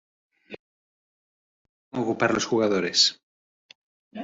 Este es el rol que suelen ocupar los jugadores.